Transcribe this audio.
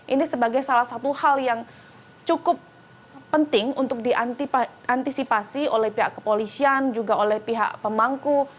ini sebagai salah satu hal yang cukup penting untuk diantisipasi oleh pihak kepolisian juga oleh pihak pemangku